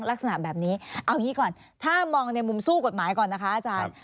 ลักษณะแบบนี้เอางี้ก่อนถ้ามองในมุมสู้กฎหมายก่อนนะคะอาจารย์